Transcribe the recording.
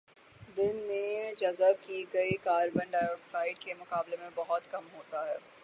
دن میں جذب کی گئی کاربن ڈائی آکسائیڈ کے مقابلے میں بہت کم ہوتا ہے